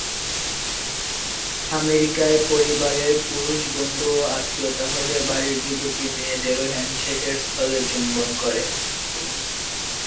আমেরিকায় পরিবারের পুরুষবন্ধুও আত্মীয়তা হলে বাড়ীর যুবতী মেয়েদেরও শেকহ্যাণ্ডের স্থলে চুম্বন করে।